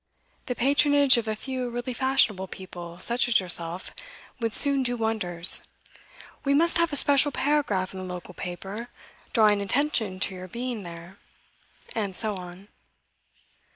'The patronage of a few really fashionable people, such as yourself, would soon do wonders. We must have a special paragraph in the local paper, drawing attention to your being there' and so on.